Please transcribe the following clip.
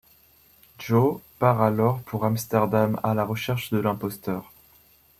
Jo part alors pour Amsterdam, à la recherche de l’imposteur.